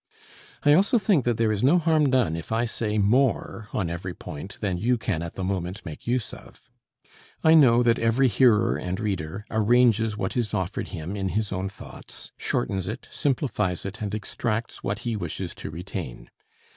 I also think that there is no harm done if I say more on every point than you can at the moment make use of. I know that every hearer and reader arranges what is offered him in his own thoughts, shortens it, simplifies it and extracts what he wishes to retain.